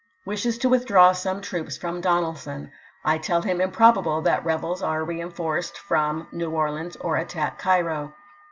Wishes to withdraw some troops from Donelson. I tell him improbable that rebels [are] reenforced from New Orleans or attack Cairo.